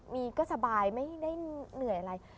มีก็สบายไม่ได้เหนื่อยอะไร